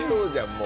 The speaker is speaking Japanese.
もう。